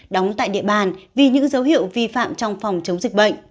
đóng tại địa bàn vì những dấu hiệu vi phạm trong phòng chống dịch bệnh